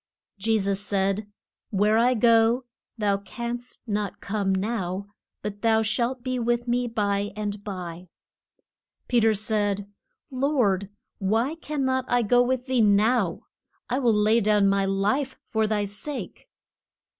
Je sus said, Where I go thou canst not come now, but thou shalt be with me by and by. Pe ter said, Lord, why can not I go with thee now? I will lay down my life for thy sake!